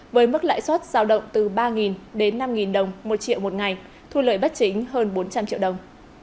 với mức lãi suất giao động từ ba đến năm đồng một triệu một ngày thu lợi bất chính hơn bốn trăm linh triệu đồng